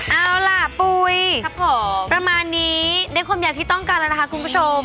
เอาล่ะปุ๋ยประมาณนี้ด้วยความอยากที่ต้องการแล้วนะคะคุณผู้ชม